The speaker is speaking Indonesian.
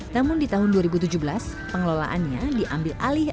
namun di tahun dua ribu tujuh belas pengelolaannya diambil alih